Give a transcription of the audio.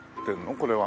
これは。